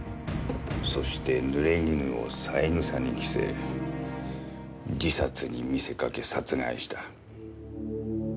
そしてぬれぎぬを三枝に着せ自殺に見せかけ殺害した。